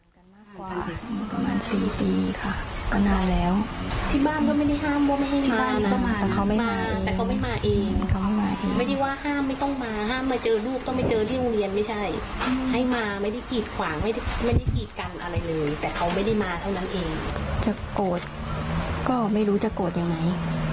จะโกรธก็ไม่รู้จะโกรธอย่างไร